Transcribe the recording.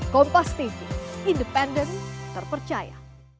kompas tv independen terpercaya